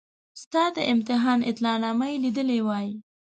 ستا د امتحان اطلاع نامه یې لیدلې وای.